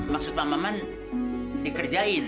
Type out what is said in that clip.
maksud pak maman dikerjain